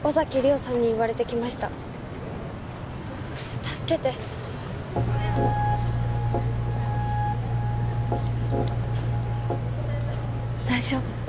桜さんに言われて来ました助けて大丈夫